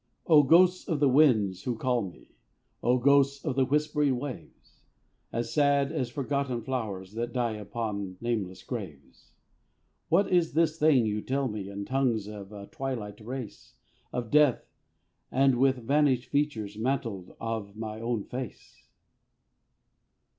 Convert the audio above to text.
O ghosts of the winds who call me! O ghosts of the whispering waves! As sad as forgotten flowers, That die upon nameless graves! What is this thing you tell me In tongues of a twilight race, Of death, with the vanished features, Mantled, of my own face?